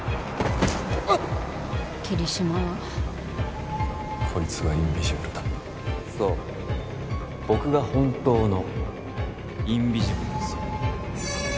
桐島はこいつがインビジブルだそう僕が本当のインビジブルですよ